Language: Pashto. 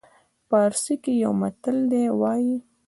پارسي کې یو متل دی وایي.